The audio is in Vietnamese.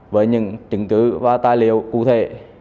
với những trứng tứ và tài liệu cụ thể